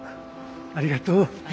ありがとう。